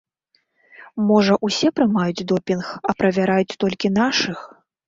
Можа, усе прымаюць допінг, а правяраюць толькі нашых?